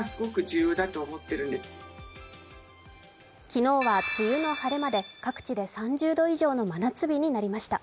昨日は梅雨の晴れ間で各地３０度以上の真夏日となりました。